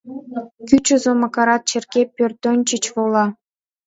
Кӱчызӧ Макарат черке пӧртӧнчыч вола.